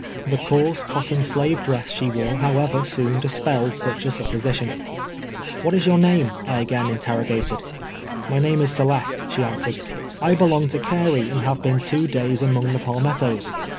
Tlie coarse cotton slave dress she wore, however, soon dispelled such a supposition. " AVhat is your name V I again interrogated. " My name is Celeste," she answered. " I belong to Carey, and have been two days among the pal mettoes.